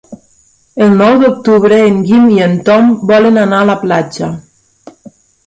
El nou d'octubre en Guim i en Tom volen anar a la platja.